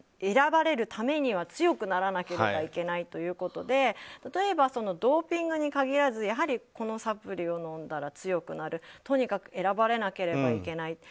選ばれるためには強くならなければいけないということで例えば、ドーピングに限らずやはり、このサプリを飲んだら強くなるとかとにかく選ばなければいけない。